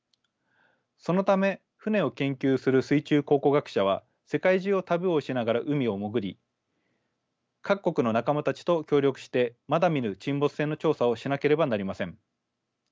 そのため船を研究する水中考古学者は世界中を旅をしながら海を潜り各国の仲間たちと協力してまだ見ぬ沈没船の調査をしなければなりません。